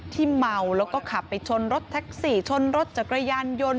เมาแล้วก็ขับไปชนรถแท็กซี่ชนรถจักรยานยนต์